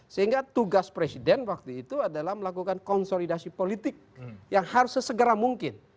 sehingga tugas presiden waktu itu adalah melakukan konsolidasi politik yang harus sesegera mungkin